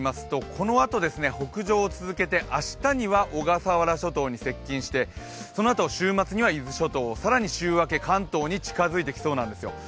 このあと北上を続けて明日には小笠原諸島に接近して、そのあと週末には伊豆諸島、更に週明けには関東に近づいてきそうなんです。